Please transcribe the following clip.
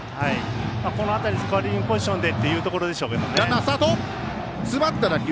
この辺りスコアリングポジションでというところでしょうね。